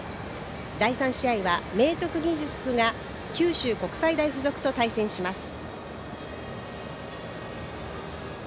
第３試合は、明徳義塾が九州国際大付属と対戦します。